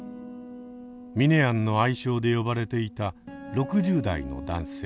「ミネヤン」の愛称で呼ばれていた６０代の男性。